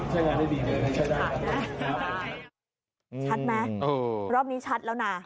ชัดไหมรอบนี้ชัดแล้วนะ